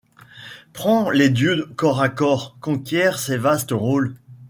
Prends les dieux corps à corps ! Conquiers ces vastes rôles